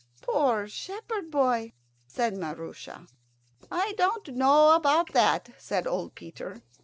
"Poor shepherd boy!" said Maroosia. "I don't know about that," said old Peter.